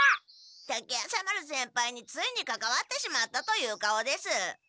滝夜叉丸先輩についにかかわってしまったという顔です。